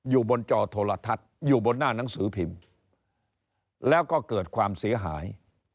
อยู่บนจอโทรทัศน์อยู่บนหน้าหนังสือพิมพ์แล้วก็เกิดความเสียหาย